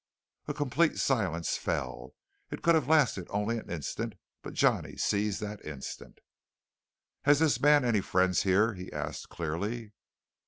A complete silence fell. It could have lasted only an instant; but Johnny seized that instant. "Has this man any friends here?" he asked clearly.